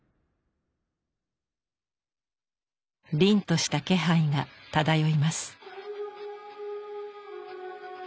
凛とした気配が漂います。